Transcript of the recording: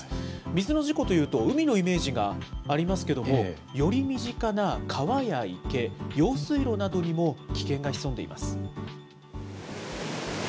水の事故というと海のイメージがありますけれども、より身近な川や池、用水路などにも危険が潜んでいます。